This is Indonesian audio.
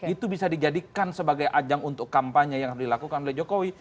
itu bisa dijadikan sebagai ajang untuk kampanye yang dilakukan oleh jokowi